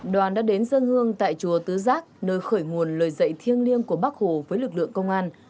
đoàn đã đến dân hương tại chùa tứ giác nơi khởi nguồn lời dạy thiêng liêng của bác hồ với lực lượng công an